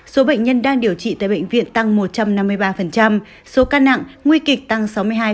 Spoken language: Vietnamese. số bệnh nhân đang điều trị tại bệnh viện tăng một trăm năm mươi ba số ca nặng nguy kịch tăng sáu mươi hai